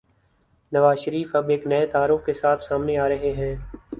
نوازشریف اب ایک نئے تعارف کے ساتھ سامنے آرہے ہیں۔